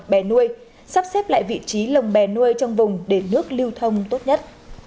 bè nuôi sắp xếp lại vị trí lồng bè nuôi trong vùng để nước lưu thông tốt nhất